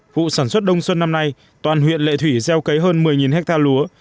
vụ sản xuất đông xuân năm nay toàn huyện lệ thủy gieo cấy hơn một mươi hectare lúa